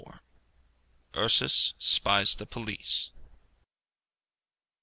URSUS SPIES THE POLICE.